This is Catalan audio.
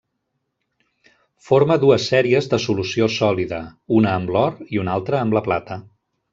Forma dues sèries de solució sòlida, una amb l'or i una altra amb la plata.